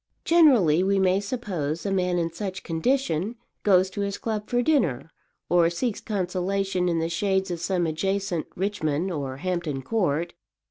Generally, we may suppose, a man in such condition goes to his club for his dinner, or seeks consolation in the shades of some adjacent Richmond or Hampton Court.